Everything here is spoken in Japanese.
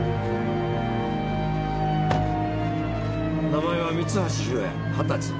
名前は三橋弘也２０歳。